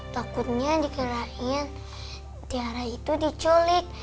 takutnya dikirain tiara itu diculik